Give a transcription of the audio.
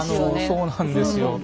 そうなんですよ。